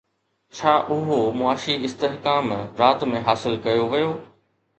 ڇا اهو معاشي استحڪام رات ۾ حاصل ڪيو ويو؟